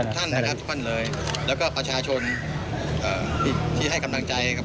เท่านี้นะครับ